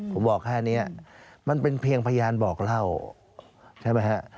ผมบอกแค่นี้มันเป็นเพียงพยานบอกเล่าใช่ไหมฮะ